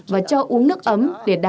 và cho uống nước ấm để đảm bảo sức khỏe